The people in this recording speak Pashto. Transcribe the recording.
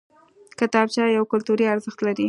کتابچه یو کلتوري ارزښت لري